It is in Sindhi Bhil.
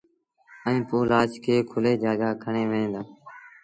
ائيٚݩ پو لآش کي کُليٚ جآڳآ کڻي وهيݩ دآ